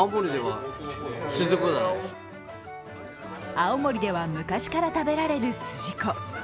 青森では昔から食べられる筋子。